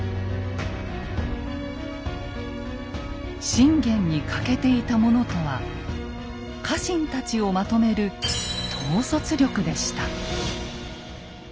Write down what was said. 信玄に欠けていたものとは家臣たちをまとめる「統率力」でした。